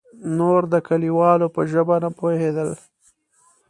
نور د کليوالو په ژبه نه پوهېدل.